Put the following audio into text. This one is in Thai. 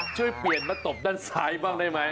ช่วยเปลี่ยนมาตบด้านซ้ายบ้างได้ไหม